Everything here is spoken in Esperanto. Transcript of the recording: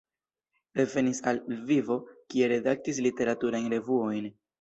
Revenis al Lvivo, kie redaktis literaturajn revuojn.